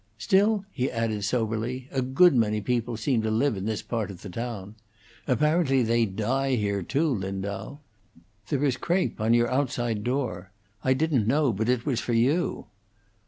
"Still," he added, soberly, "a good many people seem to live in this part of the town. Apparently they die here, too, Lindau. There is crape on your outside door. I didn't know but it was for you."